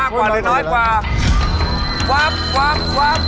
ควับ